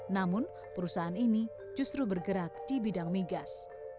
namun perusahaan ini justru bergerak di bidang migas